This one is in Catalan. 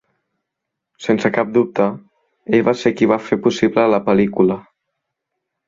Sense cap dubte, ell va ser qui va fer possible la pel·lícula.